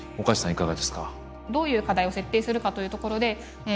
いかがですか？